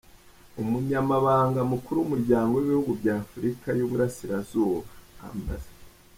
Umunyamabanga Mukuru w’Umuryango w’Ibihugu bya Afurika y’Uburasirazuba, Amb.